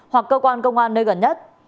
hoặc cơ quan công an nơi gần nhất